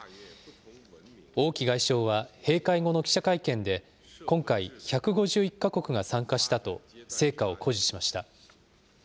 王毅外相は閉会後の記者会見で、今回１５１か国が参加したと、成果を誇示しました。